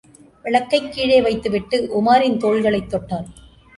விளக்கைக் கீழே வைத்துவிட்டு, உமாரின் தோள்களைத் தொட்டான்.